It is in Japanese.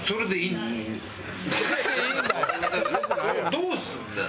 どうするんだよ。